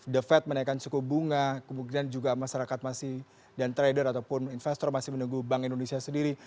the fed menaikkan suku bunga kemungkinan juga masyarakat masih dan trader ataupun investor masih menunggu bank indonesia sendiri